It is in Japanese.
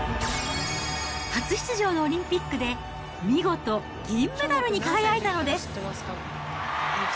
初出場のオリンピックで、見事、銀メダルに輝いたのです。